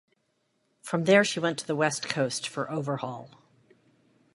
From there, she went to the West Coast for overhaul.